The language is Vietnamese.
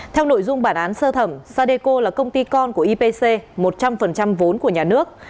theo nội dung bản án sơ thẩm sadeco là công ty con của ipc một trăm linh vốn của nhà nước